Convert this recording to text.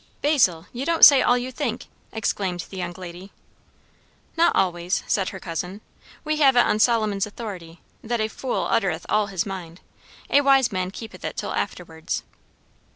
"Basil, you don't say all you think!" exclaimed the young lady. "Not always," said her cousin. "We have it on Solomon's authority, that a 'fool uttereth all his mind. A wise man keepeth it till afterwards.'"